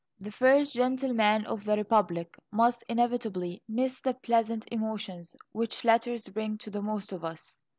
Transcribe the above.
The First Gentleman of the Republic must inevitably miss the pleasant emotions which letters bring to the most of us.